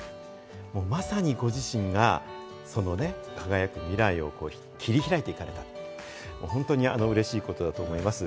まさにご自身が輝く未来を切り開いていかれた、本当にうれしいことだと思います。